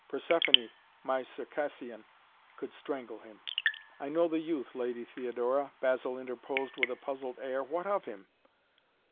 Persephoné, my Circassian, could strangle him." "I know the youth, Lady Theodora," Basil interposed with a puzzled air. "What of him?"